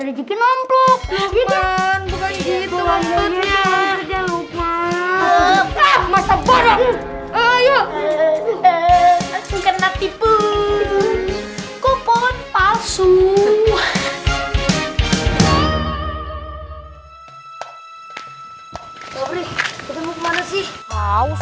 rezeki nomor bukan gitu ya hai ah masa baru ayo aku kena tipu kupon palsu